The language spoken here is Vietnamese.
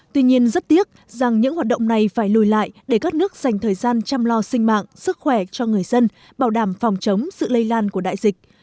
tuy nhiên rất tiếc rằng những hoạt động này phải lùi lại để các nước dành thời gian chăm lo sinh mạng sức khỏe cho người dân bảo đảm phòng chống sự lây lan của đại dịch